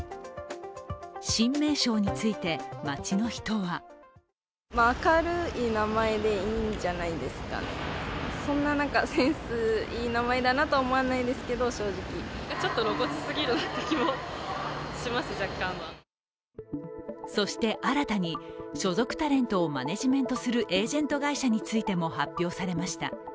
新名称について、街の人はそして新たに、所属タレントをマネジメントするエージェント会社についても発表されました。